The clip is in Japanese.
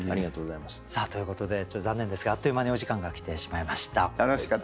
さあということでちょっと残念ですがあっという間にお時間が来てしまいました。